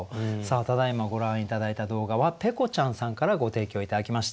ただいまご覧頂いた動画はぺこちゃんさんからご提供頂きました。